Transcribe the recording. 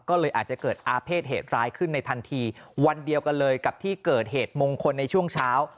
ก็เลยอาจจะเกิดอาเภษเหตุร้ายขึ้นในทันทีวันเดียวกันเลยกับที่เกิดเหตุมงคลในช่วงเช้า